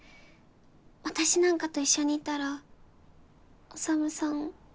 私なんかと一緒にいたら宰さん